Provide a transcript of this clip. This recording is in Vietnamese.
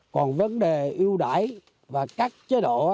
còn vấn đề ưu đãi và các chế độ